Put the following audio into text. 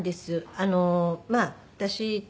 あのまあ私と。